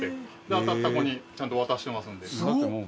「で当たった子にちゃんと渡してますので」